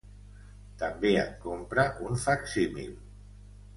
També en compra un facsímil.